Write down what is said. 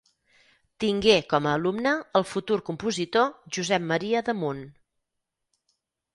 Tingué com a alumne el futur compositor Josep Maria Damunt.